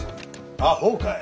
あほうかい。